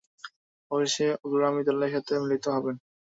অবশেষে অগ্রগামী দলের সাথে মিলিত হবেন।